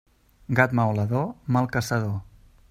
Gat maulador, mal caçador.